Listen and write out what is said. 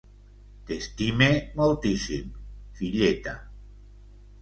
T'estime moltíssim, filleta.